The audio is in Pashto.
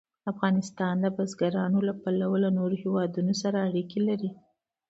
افغانستان د بزګان له پلوه له نورو هېوادونو سره اړیکې لري.